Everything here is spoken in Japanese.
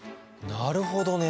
なるほどね。